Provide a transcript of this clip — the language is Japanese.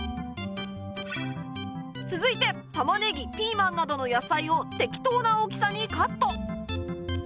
続いて玉ねぎピーマンなどの野菜を適当な大きさにカット